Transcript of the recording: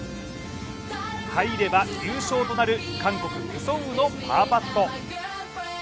入れば優勝となる韓国・ペ・ソンウのパーパット。